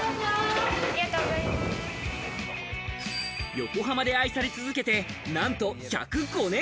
横浜で愛され続けて、なんと１０５年。